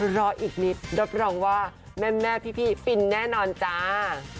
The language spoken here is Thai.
รออีกนิดรับรองว่าแม่พี่ฟินแน่นอนจ้า